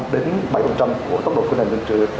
đến bảy của tốc độ khuyên hành